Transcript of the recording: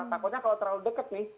takutnya kalau terlalu dekat nih